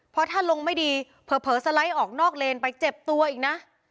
เพราะถ้าลงไม่ดีเผลอสไลด์ออกนอกเลนไปเจ็บตัวอีกนะ